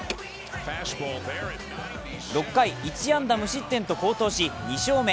６回、１安打無失点と好投し２勝目。